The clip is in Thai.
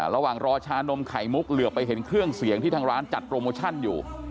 ระหว่างรอชานมไข่มุกเหลือไปเห็นเครื่องเสียงที่ทางร้านจัดโปรโมชั่นอยู่